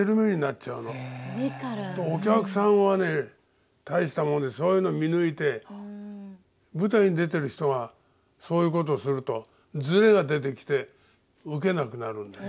お客さんはね大したもんでそういうの見抜いて舞台に出てる人がそういうことするとズレが出てきてウケなくなるんです。